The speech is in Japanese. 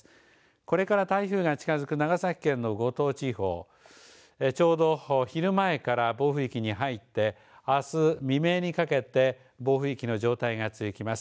これから台風が近づく長崎県の五島地方、ちょうど昼前から暴風域に入ってあす未明にかけて暴風域の状態が続きます。